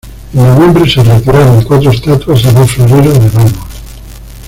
En noviembre, se retiraron cuatro estatuas y dos floreros de mármol.